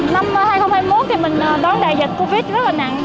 năm hai nghìn hai mươi một thì mình đón đại dịch covid rất là nặng